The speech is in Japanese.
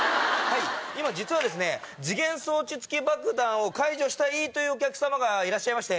今実は時限装置付き爆弾を解除したいというお客様がいらっしゃいまして。